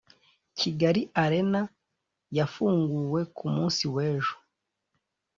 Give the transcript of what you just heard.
Kigali arena yafunguwe kumunsi wejo